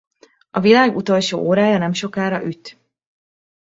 A világ utolsó órája nemsokára üt.